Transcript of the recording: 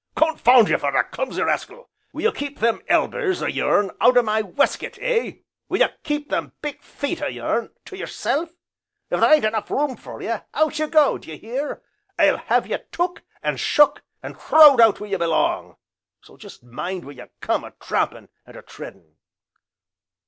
"Confound ye for a clumsy rascal! Will ye keep them elbers o' yourn to out o' my weskit, eh? Will ye keep them big feet o' yourn to yeself? If there ain't room enough for ye, out ye go, d'ye hear I'll have ye took, and shook, and throwed out where ye belong; so jest mind where ye come a trampin', and a treadin'."